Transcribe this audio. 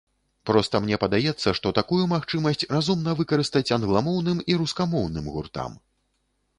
Проста мне падаецца, што такую магчымасць разумна выкарыстаць англамоўным і рускамоўным гуртам.